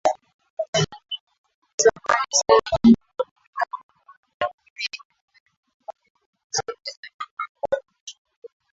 zamani sana na Umri wake ni kama umri wa dunia yenyewe na ilianzishwa hapo